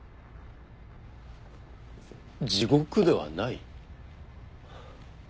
地獄ではない？